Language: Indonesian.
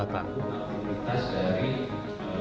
aktivitas dari perlaksanaan